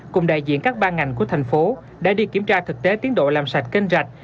cùng đại diện các ban ngành của thành phố đã đi kiểm tra thực tế tiến độ làm sạch kênh rạch